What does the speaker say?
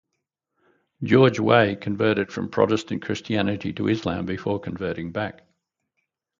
George Weah converted from Protestant Christianity to Islam, before converting back.